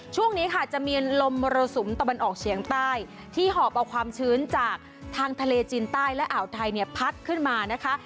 ช่วงนี้ค่ะจะมีลมมรสุมตะวันออกเฉียงใต้ที่หอบเอาความชื้นจากทางทะเลจีนใต้และอ่าวไทยเนี่ยพัดขึ้นมานะคะ